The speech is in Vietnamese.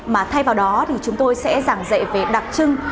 mà thay vào đó thì chúng tôi sẽ giảng dạy về đặc trưng